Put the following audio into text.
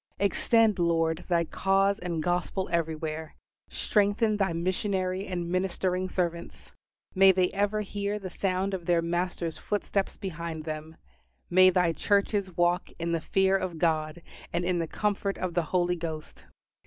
Extend, Lord, Thy cause and Gospel everywhere. Strengthen Thy missionary and ministering servants. May they ever hear the sound of their Master's footsteps behind them. May thy churches walk in the fear of God and in the comfort of the Holy Ghost.